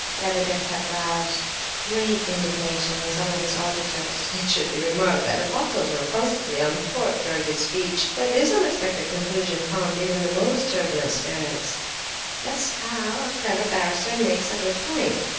Lebedeff had roused great indignation in some of his auditors (it should be remarked that the bottles were constantly uncorked during his speech); but this unexpected conclusion calmed even the most turbulent spirits. "That's how a clever barrister makes a good point!"